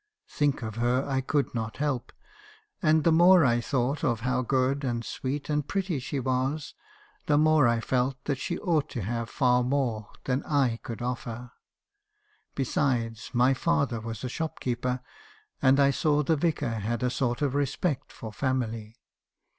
Think of her I could not help ; and the more I thought of how good, and sweet, and pretty, she was, the more I felt that she ought to have far more than I could offer. Besides my father was a shopkeeper, and I saw the Vicar had a sort of respect for family.